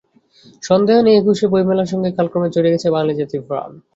সন্দেহ নেই একুশের বইমেলার সঙ্গে কালক্রমে জড়িয়ে গেছে বাঙালি জাতির প্রাণ।